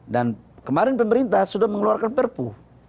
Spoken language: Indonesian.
dan kemarin pemerintah sudah mengeluarkan perpu